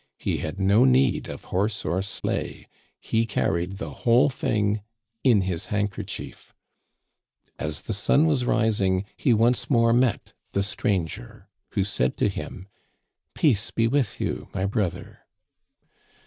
He had no need of horse or sleigh. He carried the whole thing in his handkerchief. " As the sun was rising he once more met the stran ger, who said to him :'Peace be with you, my brother